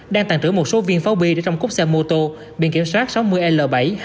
đang tàn trữ một số viên pháo bi để trong cốt xe mô tô biển kiểm soát sáu mươi l bảy hai nghìn sáu trăm sáu mươi bảy